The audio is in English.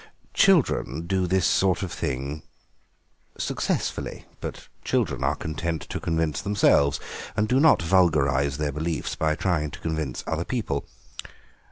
Children do that sort of thing successfully, but children are content to convince themselves, and do not vulgarise their beliefs by trying to convince other people.